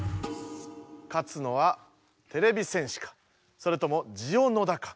勝つのはてれび戦士かそれともジオ野田か。